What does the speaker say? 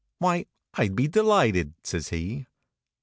"Why, I'd be delighted," says he.